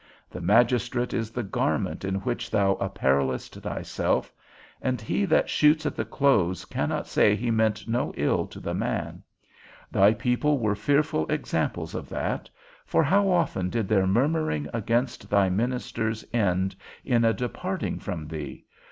The magistrate is the garment in which thou apparelest thyself, and he that shoots at the clothes cannot say he meant no ill to the man: thy people were fearful examples of that, for how often did their murmuring against thy ministers end in a departing from thee!